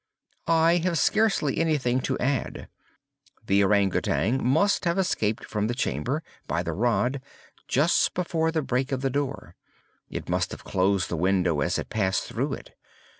I have scarcely anything to add. The Ourang Outang must have escaped from the chamber, by the rod, just before the breaking of the door. It must have closed the window as it passed through it.